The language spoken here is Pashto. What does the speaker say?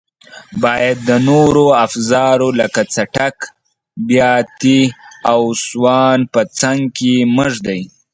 باید د نورو افزارو لکه څټک، بیاتي او سوان په څنګ کې مه ږدئ.